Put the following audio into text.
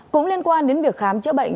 cũng liên quan đến việc khám chữa bệnh